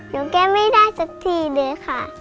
แก้ไม่ได้สักทีเลยค่ะ